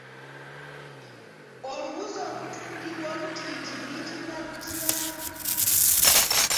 Oluwuzi okutungibwa obutiiti luyitibwa lutya?